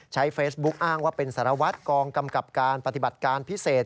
ใช้เฟซบุ๊กอ้างว่าเป็นสารวัตรกองกำกับการปฏิบัติการพิเศษ